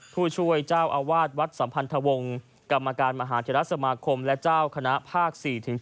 ผู้ช่วยเจ้าอาวาสวัดสัมพันธวงศ์กรรมการมหาเทรสมาคมและเจ้าคณะภาค๔๔